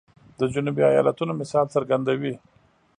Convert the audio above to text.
د جنوبي ایالاتونو مثال څرګندوي.